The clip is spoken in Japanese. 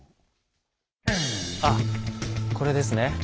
あっこれですね。